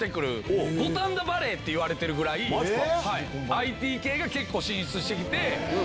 ＩＴ系が結構進出してきて。